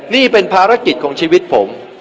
นี่เป็นภารกิจของชีวิตผม